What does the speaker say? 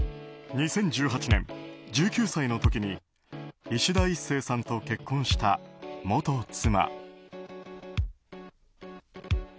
２０１８年、１９歳の時にいしだ壱成さんと結婚した元妻。